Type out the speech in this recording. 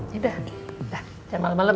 jangan malem malem ya